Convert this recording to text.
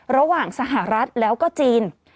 ระหว่างสหรัฐแล้วก็จีน